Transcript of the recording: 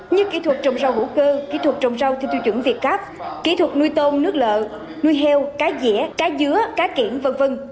như kỹ thuật trồng rau hữu cơ kỹ thuật trồng rau theo tiêu chuẩn việt gáp kỹ thuật nuôi tôm nước lợ nuôi heo cá dĩa cá dứa cá kiển v v